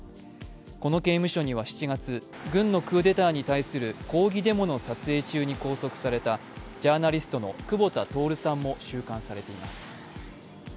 この刑務所には７月軍のクーデターに対する抗議デモの撮影中に拘束された久保田徹さんも収監されています。